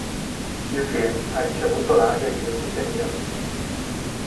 Il film ha ricevuto larghe critiche negative.